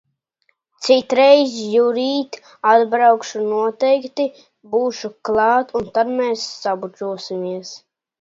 Citreiz, Jurīt, atbraukšu, noteikti būšu klāt un tad mēs sabučosimies.